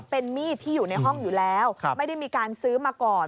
เป็นมีดที่อยู่ในห้องอยู่แล้วไม่ได้มีการซื้อมาก่อน